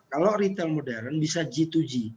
kalau retail modern bisa g dua g